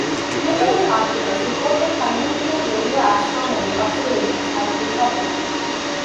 Numerous articles reporting conventional radio astronomy observations have been published.